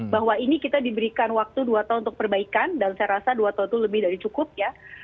bahwa ini kita diberikan waktu dua tahun untuk perbaikan dan saya rasa dua tahun itu lebih dari cukup ya